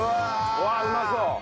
うわっうまそう。